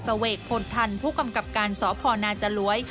เสว่งโทรธัณฑ์ผู้กำกับการสพนาจลวย